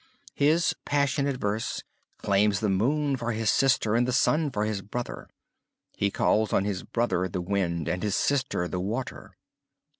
His passionate verse claims the moon for his sister and the sun for his brother; he calls on his brother the Wind, and his sister the Water.